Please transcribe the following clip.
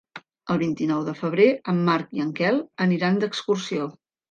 El vint-i-nou de febrer en Marc i en Quel aniran d'excursió.